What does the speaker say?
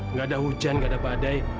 enggak ada hujan enggak ada badai